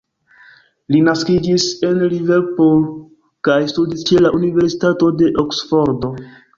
Li naskiĝis en Liverpool kaj studis ĉe la Universitato de Oksfordo.